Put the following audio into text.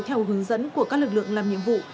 theo hướng dẫn của các lực lượng làm nhiệm vụ